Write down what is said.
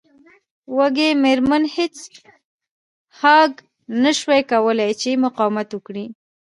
وږې میرمن هیج هاګ نشوای کولی چې مقاومت وکړي